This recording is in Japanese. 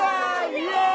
「イエーイ！